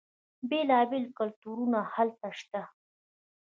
بیلا بیل کلتورونه هلته شته.